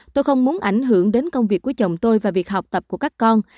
tôi không muốn ảnh hưởng đến công việc của chồng tôi và việc học tập của các con